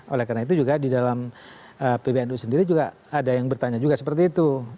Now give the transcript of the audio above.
oleh karena itu juga di dalam pbnu sendiri juga ada yang bertanya juga seperti itu